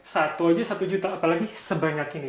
satu aja satu juta apalagi sebanyak ini